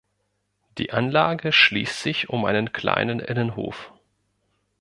Die Anlage schließt sich um einen kleinen Innenhof.